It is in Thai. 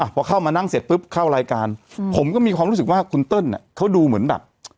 พอเข้ามานั่งเสร็จปุ๊บเข้ารายการผมก็มีความรู้สึกว่าคุณเติ้ลเขาดูเหมือนแบบ